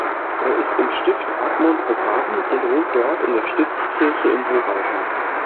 Er ist im Stift Admont begraben und ruht dort in der Stiftskirche im Hochaltar.